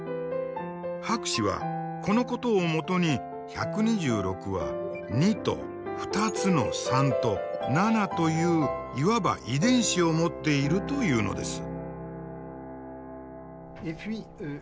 博士はこのことをもとに１２６は２と２つの３と７といういわば「遺伝子」を持っているというのです。